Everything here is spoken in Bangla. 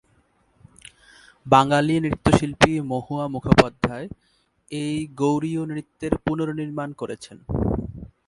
বাঙালি নৃত্যশিল্পী মহুয়া মুখোপাধ্যায় এই গৌড়ীয় নৃত্যের পুনঃনির্মাণ করেছেন।